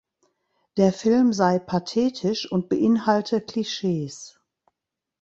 Der Film sei pathetisch und beinhalte Klischees.